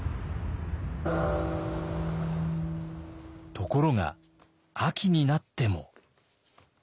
ところが秋になっても。